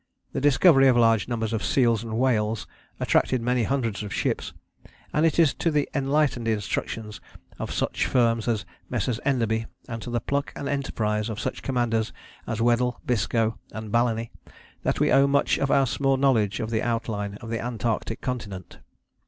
The discovery of large numbers of seals and whales attracted many hundreds of ships, and it is to the enlightened instructions of such firms as Messrs. Enderby, and to the pluck and enterprise of such commanders as Weddell, Biscoe and Balleny, that we owe much of our small knowledge of the outline of the Antarctic continent.